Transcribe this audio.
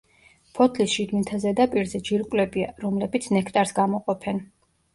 ფოთლის შიგნითა ზედაპირზე ჯირკვლებია, რომლებიც ნექტარს გამოყოფენ.